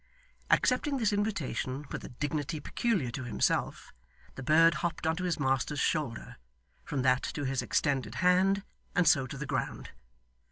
Accepting this invitation with a dignity peculiar to himself, the bird hopped up on his master's shoulder, from that to his extended hand, and so to the ground.